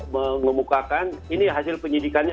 mengumumkakan ini hasil penyidikannya